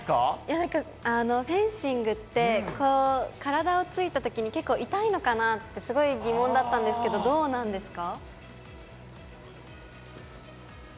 なんかフェンシングって、体を突いたときに結構痛いのかなってすごい疑問だったんですけど、どうなんですか。